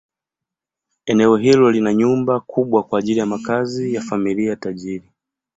Eneo hili lina nyumba kubwa kwa ajili ya makazi ya familia tajiri.